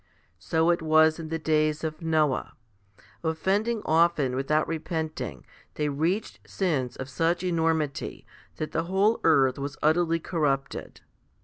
So it was in the days of Noah. Offending often without repenting, they reached sins of such enormity, that the whole earth was utterly cor rupted.